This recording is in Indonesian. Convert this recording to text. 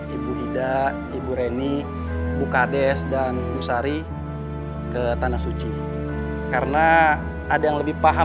ibu ida ibu reni bukades dan bu sari ke tanah suci karena ada yang lebih paham